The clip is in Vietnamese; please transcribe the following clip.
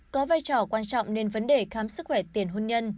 có vai trò quan trọng nên vấn đề khám sức khỏe tiền hôn nhân